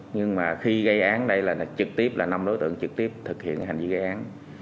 nhưng mà khi gây án đây là trực tiếp là năm đối tượng trực tiếp thực hiện hành vi gây án